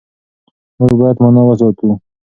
موږ بايد مانا وساتو.